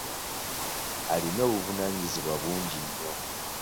Alina obuvunaanyizibwa bungi nnyo.